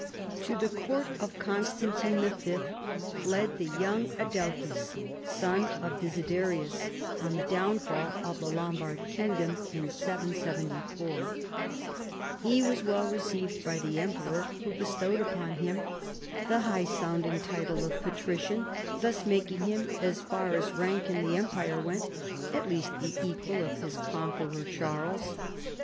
To the court of Constantine V. fled the young Adelchis, son of Desiderius, on the downfall of the Lombard kingdom (774).* He was well received by the emperor, who bestowed upon him the high sounding title of Patrician, thus making him, as far as rank in the empire went, at least the equal of his conqueror, Charles.